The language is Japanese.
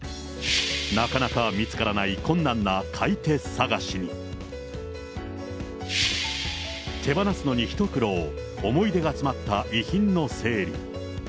なかなか見つからない困難な買い手探しに、手放すのにひと苦労、思い出が詰まった遺品の整理。